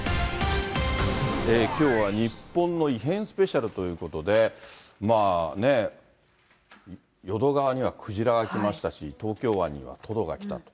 きょうは日本の異変スペシャルということで、まあね、淀川にはクジラが来ましたし、東京湾にはトドが来たと。